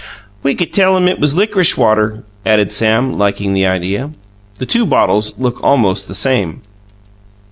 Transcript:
"We could tell him it was lickrish water," added Sam, liking the idea. "The two bottles look almost the same."